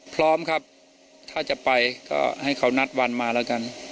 พร้อมครับถ้าจะไปก็ให้เขานัดวันมาแล้วกัน